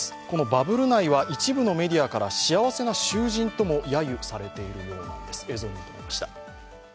このバブル内は一部のメディアから幸せな囚人ともやゆされているようなんです。